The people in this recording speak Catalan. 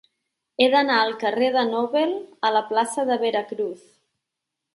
He d'anar del carrer de Nobel a la plaça de Veracruz.